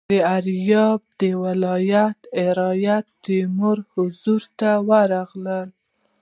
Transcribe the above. د ایریاب د ولایت رعیت د تیمور حضور ته ورغلل.